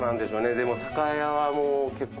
でも酒屋はもう結構。